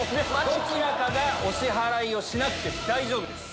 どちらかがお支払いをしなくて大丈夫です。